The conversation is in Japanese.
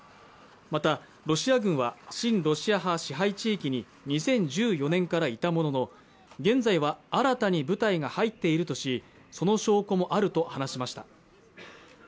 またロシア軍は親ロシア派支配地域に２０１４年からいたものの現在は新たに部隊が入っているとしその証拠もあると話しました